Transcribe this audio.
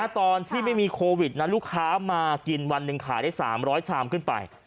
ตอนที่ไม่มีโควิดนั้นลูกค้ามากินวันหนึ่งขายได้๓๐๐ชามขึ้นไป